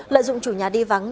lợi dụng chủ nhà đi vắng